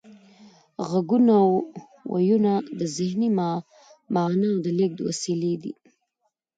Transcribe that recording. غږونه او وییونه د ذهني معناوو د لیږد وسیلې دي